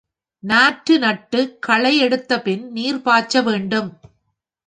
நாற்று நட்டுக் களை எடுத்தபின் நீர் பாய்ச்ச வேண்டும்.